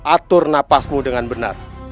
atur napasmu dengan benar